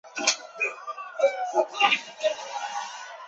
位于东京都北区南部。